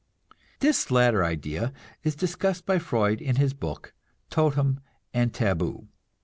This latter idea is discussed by Freud, in his book, "Totem and Taboo."